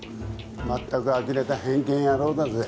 まったくあきれた偏見野郎だぜ。